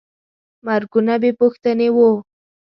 مرګونه بېپوښتنې وو.